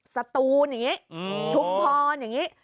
สตูนอย่างนี้ชุมพรอย่างนี้